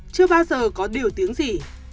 chưa bao giờ có điều tiếng gì